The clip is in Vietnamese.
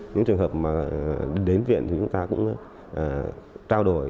những trường hợp đến viện chúng ta cũng trao đổi